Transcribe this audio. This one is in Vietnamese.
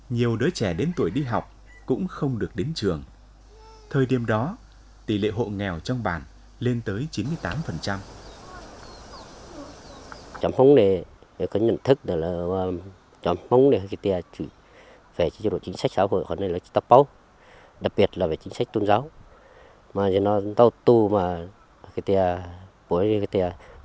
nhiều đứa trẻ đến tuổi đi học cũng không được đến trường thời điểm đó tỷ lệ hộ nghèo trong bàn lên tới chín mươi tám